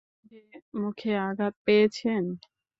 মুখে আঘাত পেয়েছেন?